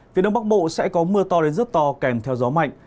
phía đông bắc bộ sẽ có mưa to đến rất to kèm theo gió mạnh